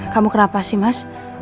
kamu kenapa sih mas